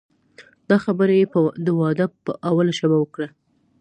دا خبره یې د واده په اوله شپه وکړه.